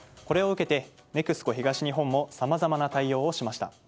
これを受けてＮＥＸＣＯ東日本もさまざまな対応をしました。